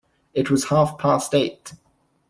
It was half-past eight.